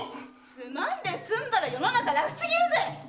「すまん」で済んだら世の中楽すぎるぜ！